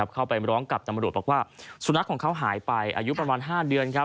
เข้าไปร้องกับตำรวจบอกว่าสุนัขของเขาหายไปอายุประมาณ๕เดือน